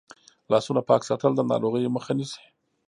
لاسونه پاک ساتل د ناروغیو مخه نیسي.